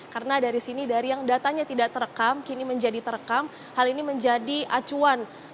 karena dari sini dari yang datanya tidak terekam kini menjadi terekam hal ini menjadi acuan